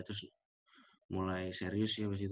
terus mulai serius ya pas itu